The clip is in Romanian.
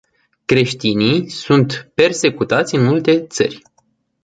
Creștinii sunt persecutați în multe țări.